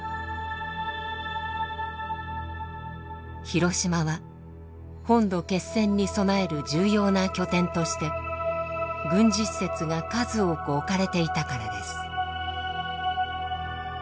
広島は本土決戦に備える重要な拠点として軍事施設が数多く置かれていたからです。